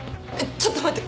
ちょっと待って。